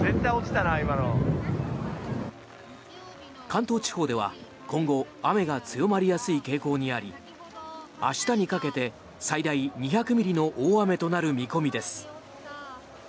関東地方では今後雨が強まりやすい傾向にあり明日にかけて最大２００ミリの大雨となる見込みです。